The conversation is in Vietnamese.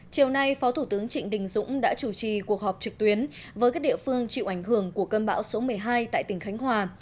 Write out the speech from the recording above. chiều nay phó thủ tướng trịnh đình dũng đã chủ trì cuộc họp trực tuyến với các địa phương chịu ảnh hưởng của cơn bão số một mươi hai tại tỉnh khánh hòa